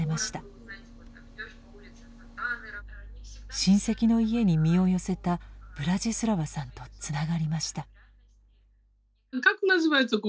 親戚の家に身を寄せたブラジスラワさんとつながりました。